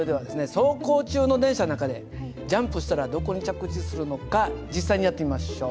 走行中の電車の中でジャンプしたらどこに着地するのか実際にやってみましょう。